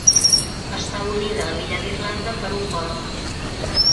Està unida a l'illa d'Irlanda per un pont.